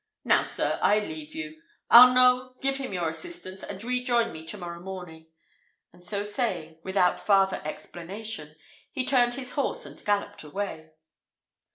Now, sir, I leave you. Arnault, give him your assistance, and rejoin me to morrow morning;" and so saying, without farther explanation, he turned his horse and galloped away.